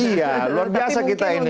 iya luar biasa kita ini